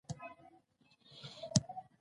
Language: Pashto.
په ناول کې ځينې بيتونه او متلونه هم